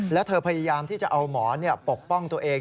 แล้วเธอพยายามที่จะเอาหมอนปกป้องตัวเอง